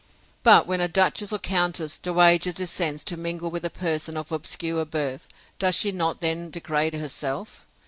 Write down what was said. But when a duchess or countess dowager descends to mingle with a person of obscure birth, does she not then degrade herself?